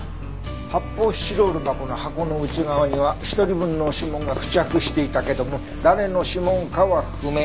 発泡スチロール箱の箱の内側には１人分の指紋が付着していたけども誰の指紋かは不明。